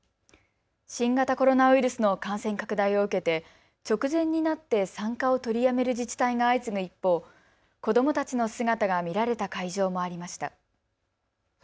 新型コロナウイルスの感染拡大を受けて直前になって参加を取りやめる自治体が相次ぐ一方子どもたちの姿が見られた会場もありました。